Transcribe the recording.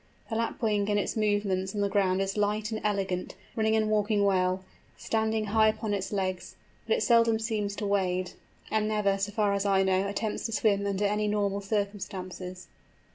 The Lapwing in its movements on the ground is light and elegant, running and walking well, standing high upon its legs, but it seldom seems to wade, and never, so far as I know, attempts to swim under any normal circumstances.